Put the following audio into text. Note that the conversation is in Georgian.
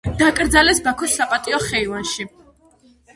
დაკრძალეს ბაქოს საპატიო ხეივანში.